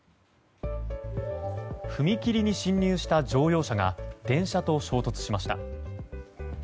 踏切に進入した乗用車が電車と衝突しました。